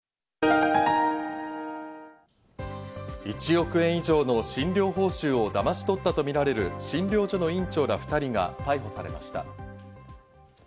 １億円以上の診療報酬をだまし取ったとみられる、診療所の院長ら２人が逮捕されました。